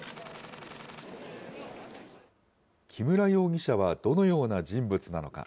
木村容疑者はどのような人物なのか。